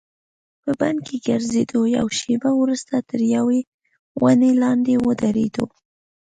په بڼ کې ګرځېدو، یوه شیبه وروسته تر یوې ونې لاندې ودریدو.